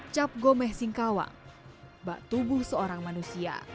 cap gomeh singkawang bak tubuh seorang manusia